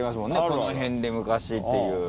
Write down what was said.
この辺で昔っていう。